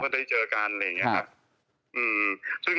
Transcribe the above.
พี่หนุ่ม